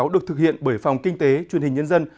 được thực hiện bởi phòng kinh tế truyền hình nhân dân